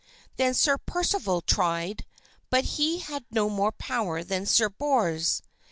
Then Sir Percival tried, but he had no more power than Sir Bors.